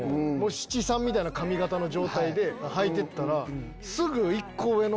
七三みたいな髪形の状態ではいてったら。